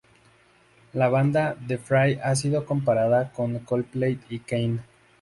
La banda The Fray ha sido comparada con Coldplay y Keane.